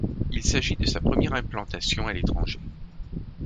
Il s'agit de sa première implantation à l'étranger.